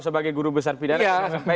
sebagai guru besar pindah